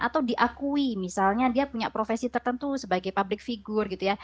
atau diakui misalnya dia punya profesi tertentu sebagai public figure gitu ya